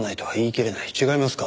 違いますか？